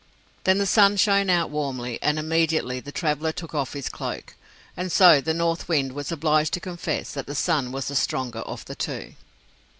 Then the Sun shined out warmly, and immediately the traveler took off his cloak. And so the North Wind was obliged to confess that the Sun was the stronger of the two.